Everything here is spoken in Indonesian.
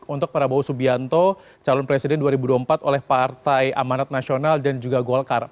untuk prabowo subianto calon presiden dua ribu dua puluh empat oleh partai amanat nasional dan juga golkar